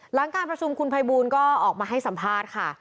หลังการประชุมคุณภัยบูลก็ออกมาให้สัมภาษณ์ค่ะ